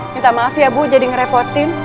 minta maaf ya bu jadi ngerepotin